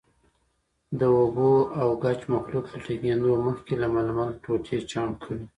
د اوبو او ګچ مخلوط له ټینګېدو مخکې له ململ ټوټې چاڼ کړئ.